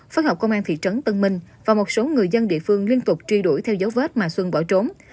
phối hợp công an thị trấn tân minh và một số người dân địa phương liên tục truy đuổi theo dấu vết mà xuân bỏ trốn